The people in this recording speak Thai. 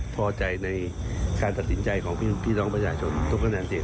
พอใจในการตัดสินใจของพี่น้องประชาชนทุกคะแนนเสียง